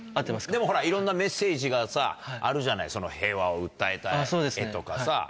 でもいろんなメッセージがさあるじゃない平和を訴えた絵とかさ。